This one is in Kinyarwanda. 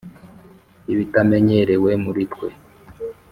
ibitamenyerewe muri twe.